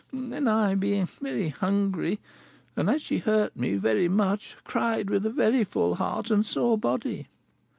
Then I, being very hungry, and as she hurt me very much, cried with a very full heart and sore body.